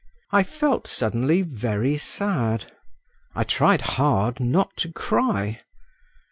I felt suddenly very sad…. I tried hard not to cry….